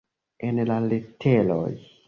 En la leteroj.